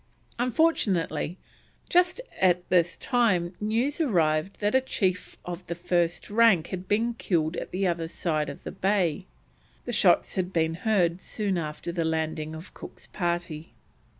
Unfortunately, just at this time news arrived that a chief of the first rank had been killed at the other side of the bay. The shots had been heard soon after the landing of Cook's party.